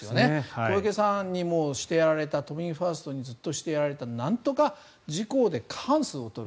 小池さんにしてやられた都民ファーストにずっとしてやられたなんとか自公で過半数を取る。